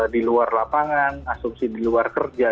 di luar lapangan asumsi di luar kerja